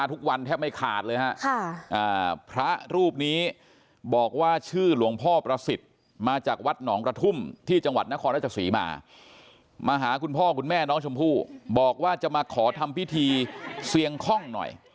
ทุ่มที่จังหวัดนครรัฐศรีมามาหาคุณพ่อคุณแม่น้องชมพู่บอกว่าจะมาขอทำพิธีเสียงข้องหน่อย